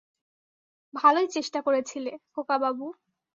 ভালোই চেষ্টা করেছিলে, খোকাবাবু।